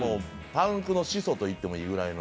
パンクの始祖と言ってもいいぐらい。